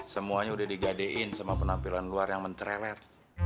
semuanya udah digadein sama penampilan luar yang menceret